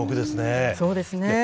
そうですね。